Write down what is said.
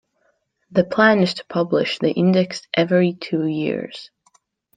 The plan is to publish the index every two years.